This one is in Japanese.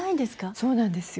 そうなんですよ。